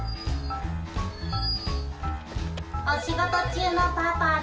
お仕事中のパパだ。